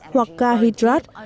hoặc ga hydrate